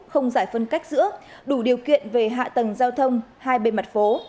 không giải phân cách giữa đủ điều kiện về hạ tầng giao thông hai bề mặt phố